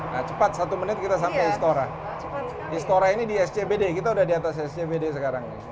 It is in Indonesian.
nah cepat satu menit kita sampai istora istora ini di scbd kita udah di atas scbd sekarang